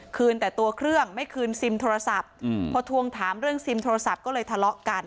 คืนแต่ตัวเครื่องไม่คืนซิมโทรศัพท์พอทวงถามเรื่องซิมโทรศัพท์ก็เลยทะเลาะกัน